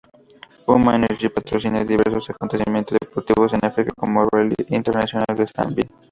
Puma Energy patrocina diversos acontecimientos deportivos en África, como el Rally internacional de Zambia.